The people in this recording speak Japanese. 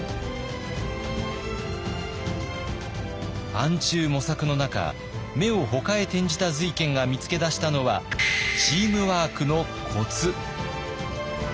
暗中模索の中目をほかへ転じた瑞賢が見つけ出したのはチームワークのコツ。